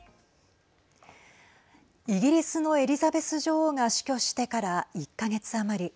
イギリスのエリザベス女王が死去してから１か月余り。